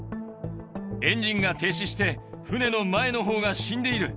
エンジンが停止して、船の前のほうが死んでいる。